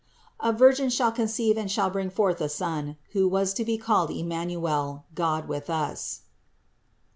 7, 14) : A Virgin shall conceive and shall bring forth a Son, who was to be called Emmanuel, God with us.